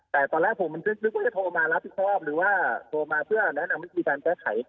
แต่ตอนแรกผมมันคิดว่าให้โทรมารับผิดชอบหรือว่าโทรมาเพื่อแนะนำมันคือแฟนแจ๊กไข่